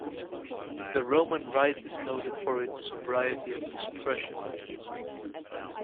The Roman Rite is noted for its sobriety of expression.